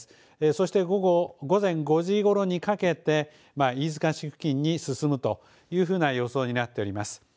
そして午前５時ごろにかけて、飯塚市付近に進むというふうな予想になっております。